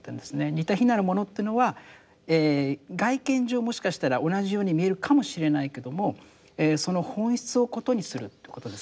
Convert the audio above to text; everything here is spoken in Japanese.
似て非なるものっていうのは外見上もしかしたら同じように見えるかもしれないけどもその本質を異にするってことですよね。